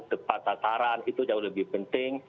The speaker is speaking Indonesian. kepatasaran itu jauh lebih penting